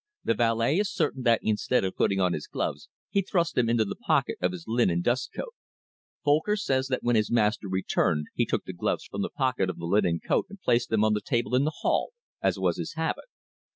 "The valet is certain that instead of putting on his gloves he thrust them into the pocket of his linen dust coat. Folcker says that when his master returned he took the gloves from the pocket of the linen coat and placed them on the table in the hall as was his habit.